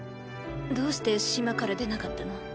どうして島から出なかったの？